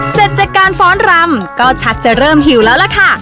เสร็จจากการฟ้อนรำก็ชักจะเริ่มหิวแล้วล่ะค่ะ